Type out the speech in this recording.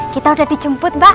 kita udah dijemput mbak